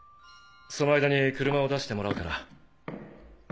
その間に車を出してもらうから。